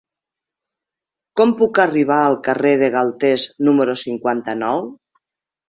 Com puc arribar al carrer de Galtés número cinquanta-nou?